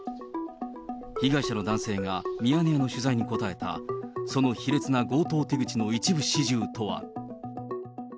被害者の男性がミヤネ屋の取材に答えたその卑劣な強盗手口の一部始終とは。